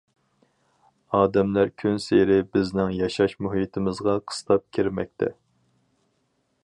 ئادەملەر كۈنسېرى بىزنىڭ ياشاش مۇھىتىمىزغا قىستاپ كىرمەكتە.